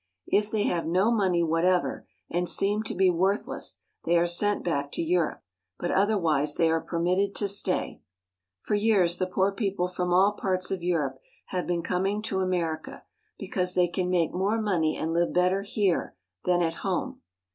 If they have no money whatever, and seem to be worthless, they are sent back to Europe ; but otherwise they are permitted to stay. For years the poor people from all parts of Europe have been coming to America, because they can make more money and live better here than at home.